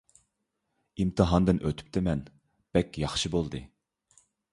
ئىمتىھاندىن ئۆتۈپتىمەن، بەك ياخشى بولدى!